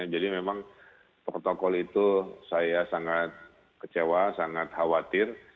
jadi memang protokol itu saya sangat kecewa sangat khawatir